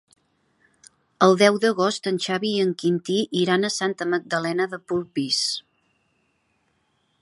El deu d'agost en Xavi i en Quintí iran a Santa Magdalena de Polpís.